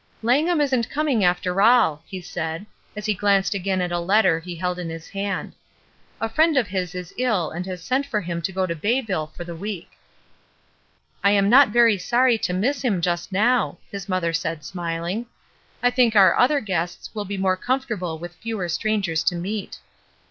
''Langham isn't coming, after all,'' he said, as he glanced again at a letter he held in his hand. ''A friend of his is ill and has sent for him to go to Bayville for the week.'' "I am not very sorry to miss him just now," his mother said, smiUng. ''I think our other 396 ESTER RIED'S NAMESAKE guests will be more comfortable with fewer strangers to meet."